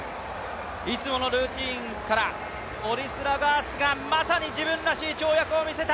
いつものルーティーンからオリスラガースがまさに自分らしい跳躍を見せた。